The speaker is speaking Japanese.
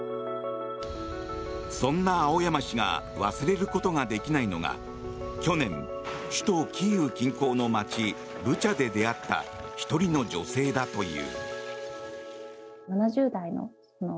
そんな青山氏が忘れることができないのが去年、首都キーウ近郊の街ブチャで出会った１人の女性だという。